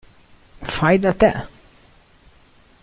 Fai da te!